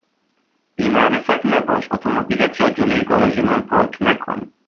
بی معرفت نباش! اتومبیلت را جلو گاراژ من پارک نکن!